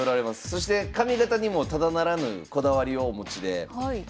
そして髪形にもただならぬこだわりをお持ちで。